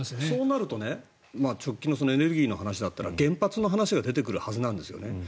そうなると直近のエネルギーの話だったら原発の話が出てくるはずなんですよね。